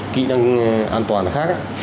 kỹ năng an toàn khác